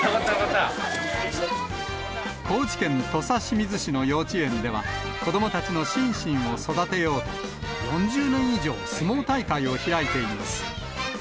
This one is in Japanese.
高知県土佐清水市の幼稚園では、子どもたちの心身を育てようと、４０年以上、相撲大会を開いています。